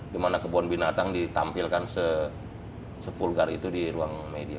dimana kebun binatang ditampilkan se vulgar itu di ruang media